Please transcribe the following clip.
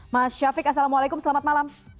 mas syafiq assalamualaikum selamat malam